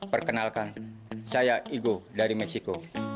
perkenalkan saya igo dari meksiko